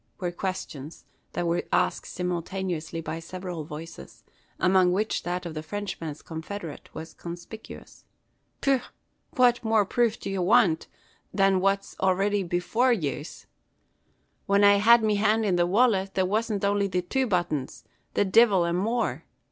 were questions that were asked simultaneously by several voices, among which that of the Frenchman's confederate was conspicuous. "Phwy, phwat more proof do yez want, than phwat's alriddy before yez? When I had me hand in the wallet, there wasn't only the two buttons, the divil a more.